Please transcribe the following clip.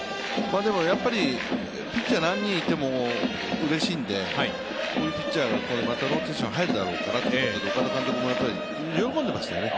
でも、ピッチャー何人いてもうれしいんでこういうピッチャーがまたローテーションに入るだろうなということで岡田監督も喜んでいましたよね。